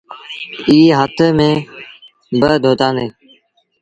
ائيٚݩ هٿ منهن با ڌوتآندي۔